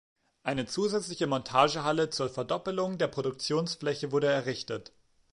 Eine zusätzliche Montagehalle zur Verdoppelung der Produktionsfläche wurde errichtet.